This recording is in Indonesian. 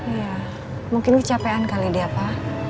iya mungkin kecapean kali dia pak